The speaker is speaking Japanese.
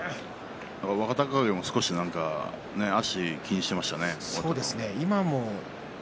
若隆景も足を少し気にしていましたね。